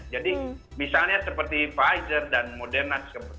jadi misalnya seperti pfizer dan moderna sebegini